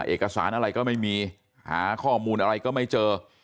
เอกสารอะไรก็ไม่มีหาข้อมูลอะไรก็ไม่เจอ